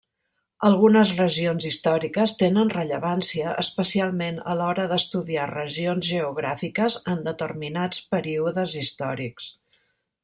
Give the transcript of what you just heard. Algunes regions històriques tenen rellevància especialment a l'hora d'estudiar regions geogràfiques en determinats períodes històrics.